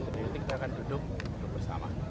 jadi kita akan duduk bersama